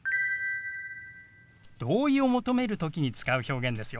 同意を求める時に使う表現ですよ。